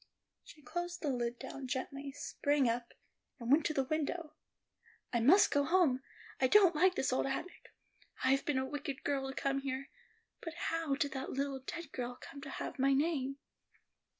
She closed the lid down gently, sprang up, and went to the window. "I must go home; I don't like this old attic. I've been a wicked girl to come here. But how did that little dead girl come to have my name?"